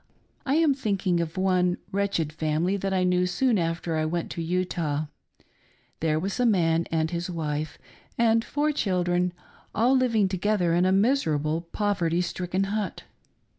I am thinking of one wretched family that I knew soon after I went to Utah. There was a man andi his wife and four children, all living together in a miserable, poverty stricken hut.